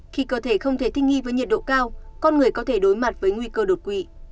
khi cơ thể không thể thích nghi với nhiệt độ cao con người có thể đối mặt với nguy cơ đột quỵ